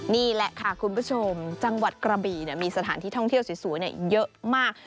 นี่แหละค่ะคุณผู้ชมจังหวัดกระบี่มีสถานที่ท่องเที่ยวสวยเยอะมาก